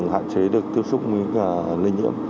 hạn chế được tiếp xúc với cả linh nhận